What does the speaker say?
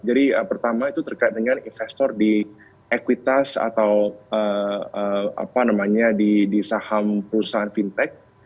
jadi pertama itu terkait dengan investor di ekuitas atau apa namanya di saham perusahaan fintech